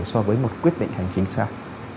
so với một quyết định hành chính sao